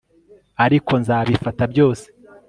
ariko nzabifata byose